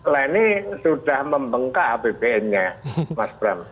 lainnya sudah membengkak apbn nya mas bram